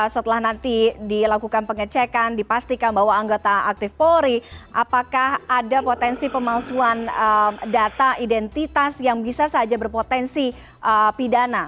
setelah nanti dilakukan pengecekan dipastikan bahwa anggota aktif polri apakah ada potensi pemalsuan data identitas yang bisa saja berpotensi pidana